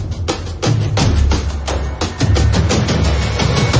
แล้วก็พอเล่ากับเขาก็คอยจับอย่างนี้ครับ